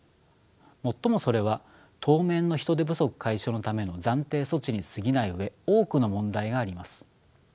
もっともそれは当面の人手不足解消のための暫定措置にすぎない上多くの問題があります。